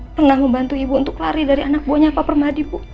pernah membantu ibu untuk lari dari anak buahnya pak permadi bu